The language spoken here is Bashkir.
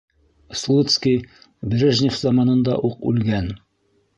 Слуцкий Брежнев заманында уҡ үлгән.